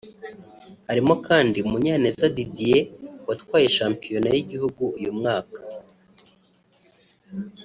Harimo kandi Munyaneza Didier watwaye shampiyona y’igihugu uyu mwaka